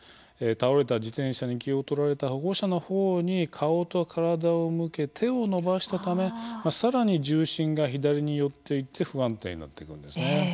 倒れた自転車に気を取られた保護者の方に顔と体を向け手を伸ばしたため更に重心が左に寄っていって不安定になっていくんですね。